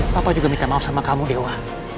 bapak juga minta maaf sama kamu dewa